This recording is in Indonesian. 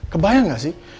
kebayang gak sih